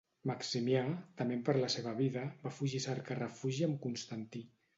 Maximià, tement per la seva vida, va fugir a cercar refugi amb Constantí.